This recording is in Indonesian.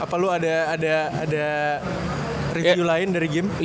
apa lo ada review lain dari game